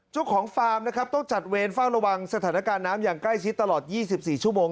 เจ้าของฟาร์มต้องจัดเวรฟ่างระวังสถานการณ์น้ำอย่างใกล้ชิดตลอด๒๔ชั่วโมง